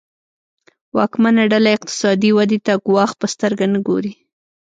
واکمنه ډله اقتصادي ودې ته ګواښ په سترګه نه ګوري.